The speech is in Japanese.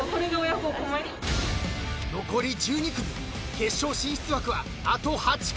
［残り１２組決勝進出枠はあと８組］